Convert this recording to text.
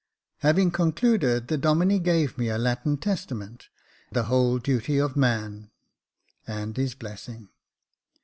Having concluded, the Domine gave me a Latin Testa ment, the Whole Duty of Man, and his blessing.